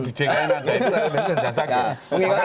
di ckn ada itu rakyat itu sudah sakit